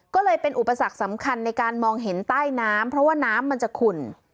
ก็เลยเป็นอุปสรรคสำคัญในการมองเห็นใต้น้ำเพราะว่าน้ำมันจะขุ่น